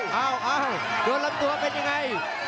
เอ้าโดนลำตัวเป็นยังไง